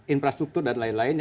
infrastruktur dan lain lain